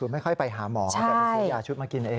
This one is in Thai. ไม่ไปหาหมอจะไปซื้อยาชุดมากินเอง